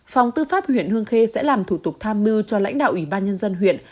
phòng tư pháp huyện hương khê sẽ làm thủ tục tham mưu cho lãnh đạo ủy ban nhân dân huyện